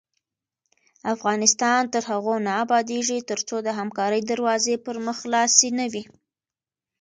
افغانستان تر هغو نه ابادیږي، ترڅو د همکارۍ دروازې پر مخ خلاصې نه وي.